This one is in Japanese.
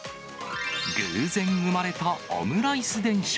偶然生まれたオムライス電車。